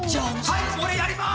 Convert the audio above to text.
はい俺やります！